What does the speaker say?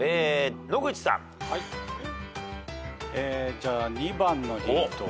じゃあ２番のヒントを。